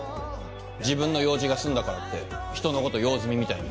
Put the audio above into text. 自分の用事が済んだからって人のこと用済みみたいに。